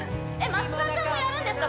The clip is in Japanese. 松田ちゃんもやるんですか？